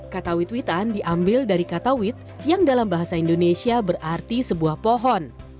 kata witwitan diambil dari kata wit yang dalam bahasa indonesia berarti sebuah pohon